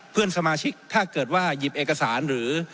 เพื่อนสมาชิกถ้าเกิดว่าหยิบเอกสารหรือ